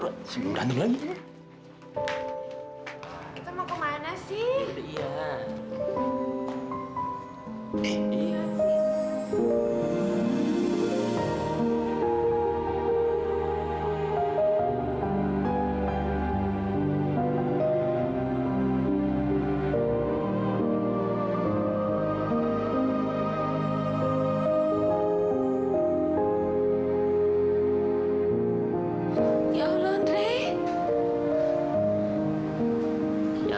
sebelum berantem lagi